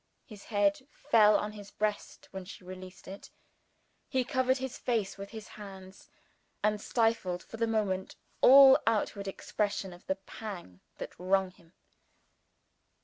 His head fell on his breast when she released it: he covered his face with his hands, and stifled, for the moment, all outward expression of the pang that wrung him.